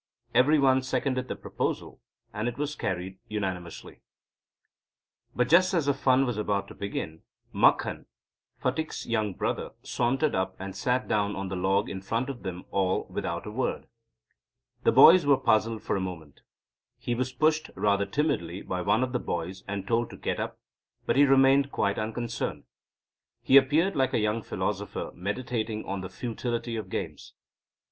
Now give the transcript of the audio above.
Every one seconded the proposal, and it was carried unanimously. But just as the fun was about to begin, Makhan, Phatik's younger brother, sauntered up, and sat down on the log in front of them all without a word. The boys were puzzled for a moment. He was pushed, rather timidly, by one of the boys and told to get up but he remained quite unconcerned. He appeared like a young philosopher meditating on the futility of games.